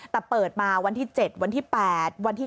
แต่เปิดมาวันที่๗วันที่๘วันที่